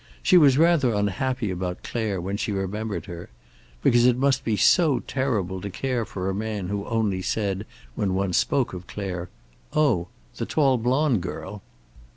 She was rather unhappy about Clare, when she remembered her. Because it must be so terrible to care for a man who only said, when one spoke of Clare, "Oh, the tall blonde girl?"